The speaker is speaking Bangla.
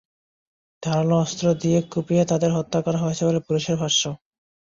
ধারালো অস্ত্র দিয়ে কুপিয়ে তাঁদের হত্যা করা হয়েছে বলে পুলিশের ভাষ্য।